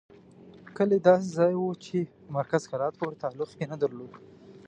کلی داسې ځای وو چې په مرکز کلات پورې تعلق یې نه درلود.